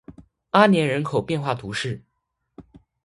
阿年人口变化图示